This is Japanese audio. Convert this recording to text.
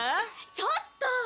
ちょっと！